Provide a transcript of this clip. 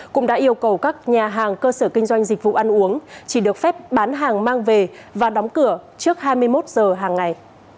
cũng đã yêu cầu các nhà hàng cơ sở kinh doanh dịch vụ ăn uống chỉ được phép bán hàng mang về và đóng cửa trước hai mươi một giờ hàng ngày